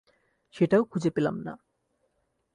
সেটাও খুজে পেলাম না।